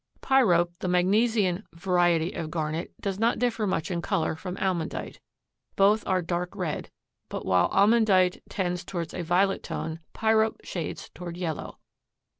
Pyrope, the magnesian variety of garnet, does not differ much in color from almandite. Both are dark red, but while almandite tends toward a violet tone, pyrope shades toward yellow.